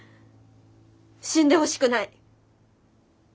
死んでほしくない。